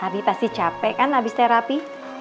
abi pasti capek kan habis terapi